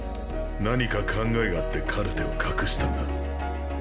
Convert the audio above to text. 何か考えがあってカルテを隠したんだ。